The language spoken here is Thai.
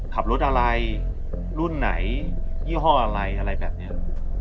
ขับรถอะไรรุ่นไหนยี่ห้ออะไรอะไรแบบนี้